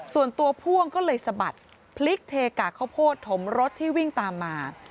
ส่วนตัวพ่วงก็เลยสะบัดพลิกเทกะข้าวโพดถมรถที่วิ่งตามมา